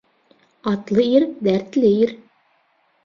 Атлы ир дәртле ир.